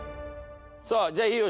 さあじゃあいいよ